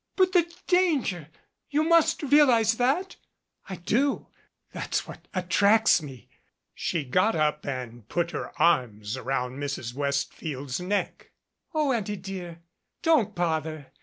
"But the danger ! You must realize that !" "I do that's what attracts me." She got up and put her arms around Mrs. Westfield's neck. "O Auntie, dear, don't bother.